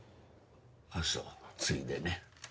あっそうついでね。